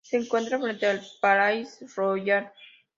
Se encuentra frente al "Palais Royal".